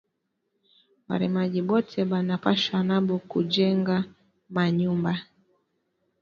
Barimaji bote bana pashwa nabo ku jenga ma nyumba